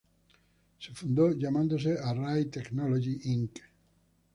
Se fundó llamándose "Array Technology Inc.